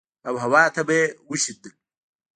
او هوا ته به يې وشيندل.